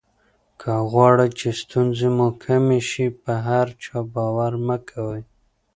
که غواړی چې ستونزې مو کمې شي په هر چا باور مه کوئ.